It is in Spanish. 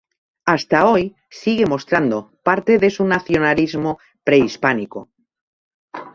Hasta hoy sigue mostrando parte de su nacionalismo prehispánico.